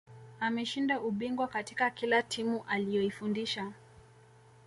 ameshinda ubingwa katika kila timu aliyoifundisha